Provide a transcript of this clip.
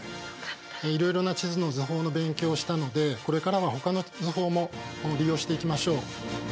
いろいろな地図の図法の勉強をしたのでこれからはほかの図法も利用していきましょう。